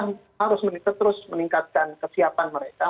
ini dua dua sisi ya pemerintah harus terus meningkatkan kesiapan mereka